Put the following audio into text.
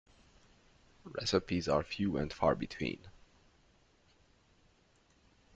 Recipes are few and far between.